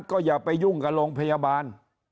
ก็อย่าไปยุ่งกับโรงพยาบาล